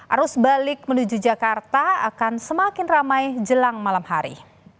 arus balik menuju jakarta akan semakin ramai jelang malam hari